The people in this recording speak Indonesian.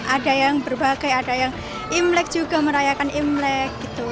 ada yang berbagai ada yang imlek juga merayakan imlek gitu